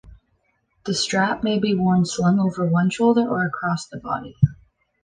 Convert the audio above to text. The strap may be worn slung over one shoulder or across the body.